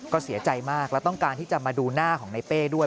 ก็เสียใจมากและต้องการที่จะมาดูหน้าของในเป้ด้วย